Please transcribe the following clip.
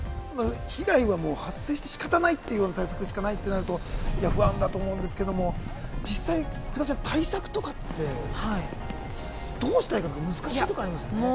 被害は発生して、仕方ないという対策しかないとなると不安だと思うんですけれども、実際、福田ちゃん、対策とかって？どうしたらいいか、難しいよね。